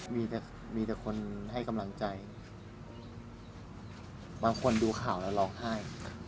มีแต่มีแต่คนให้กำลังใจบางคนดูข่าวแล้วร้องไห้